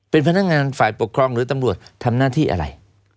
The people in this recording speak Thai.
เป็นพนักงานฝ่ายปกครองหรือตำรวจทำหน้าที่อะไร